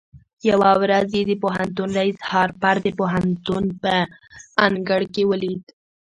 يوه ورځ يې د پوهنتون رئيس هارپر د پوهنتون په انګړ کې وليد.